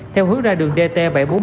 theo hướng ra đường dt bảy trăm bốn mươi